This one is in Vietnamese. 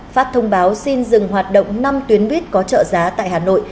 phát thông báo xin dừng hoạt động năm tuyến buýt có trợ giá tại hà nội